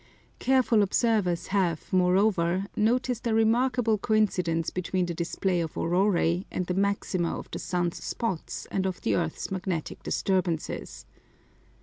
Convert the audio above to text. Careful observers have, moreover, noticed a remarkable coincidence between the display of auroræ and the maxima of the sun's spots and of the earth's magnetic disturbances.